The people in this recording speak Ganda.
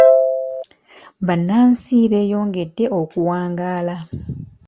Bannansi beeyongedde okuwangaala.